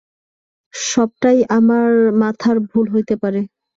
সবটাই আমার মাথার ভুল হইতে পারে।